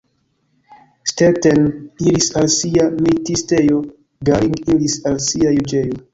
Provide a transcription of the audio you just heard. Stetten iris al sia militistejo, Gering iris al sia juĝejo.